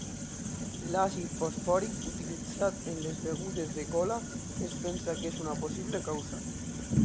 L'àcid fosfòric utilitzat en les begudes de cola es pensa que és una possible causa.